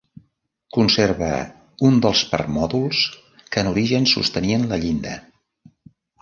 Conserva un dels permòdols que en origen sostenien la llinda.